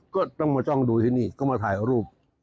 ก็ต้องมาจ้องดูที่นี่ก็มาถ่ายรูป